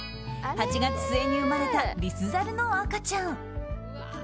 ８月末に生まれたリスザルの赤ちゃん。